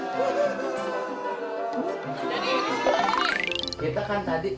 kita kan tadi